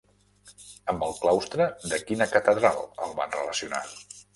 Amb el claustre de quina catedral el van relacionar?